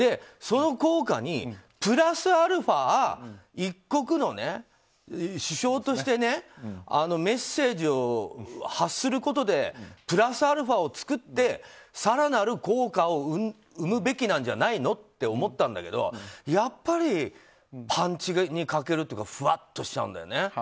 その効果にプラスアルファ一国の首相としてメッセージを発することでプラスアルファを作って更なる効果を生むべきなんじゃないのって思ったんだけどやっぱりパンチに欠けるというかふわっとしちゃうんだよね。